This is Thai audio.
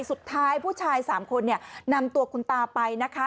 สุดท้ายผู้ชาย๓คนนำตัวคุณตาไปนะคะ